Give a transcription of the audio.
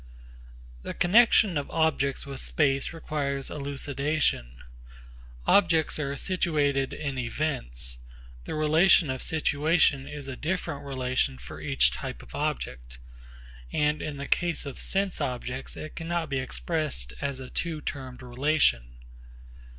The connexion of objects with space requires elucidation. Objects are situated in events. The relation of situation is a different relation for each type of object, and in the case of sense objects it cannot be expressed as a two termed relation.